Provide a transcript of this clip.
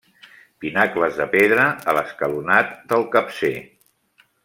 Pinacles de pedra a l'escalonat del capcer.